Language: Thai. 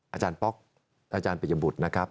อาจารย์ป๊อกอาจารย์ปริยบุตรนะครับ